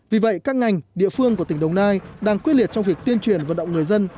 vì vậy các ngành địa phương của tỉnh đồng nai đang quyết liệt trong việc tuyên truyền vận động người dân